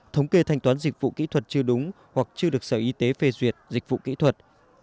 thống kê thanh toán dịch vụ kỹ thuật chưa đúng hoặc chưa được sở y tế phê duyệt dịch vụ kỹ thuật